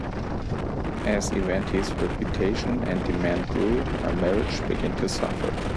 As Evanti's reputation and demand grew, her marriage began to suffer.